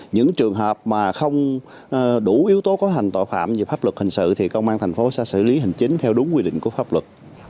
những trường hợp mà không đủ yếu tố cấu hành tội phạm về pháp luật hình sự thì công an thành phố sẽ xử lý hình chính theo đúng quy định của pháp luật